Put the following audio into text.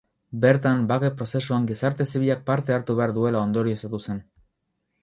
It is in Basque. Bertan, bake prozesuan gizarte zibilak parte hartu behar duela ondorioztatu zen.